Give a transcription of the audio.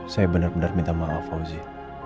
saya benar benar minta maaf fauzi